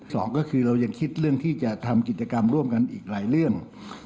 สองก็คือเรายังคิดเรื่องที่จะทำกิจกรรมร่วมกันอีกหลายเรื่อง